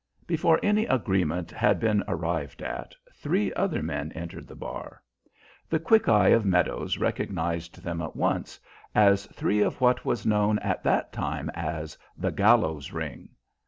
Before any agreement had been arrived at three other men entered the bar. The quick eye of Meadows recognized them at once as three of what was known at that time as "The Gallows Ring."